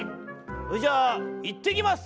それじゃあいってきます！」。